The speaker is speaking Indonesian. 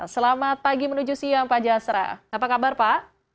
selamat pagi menuju siang pak jasra apa kabar pak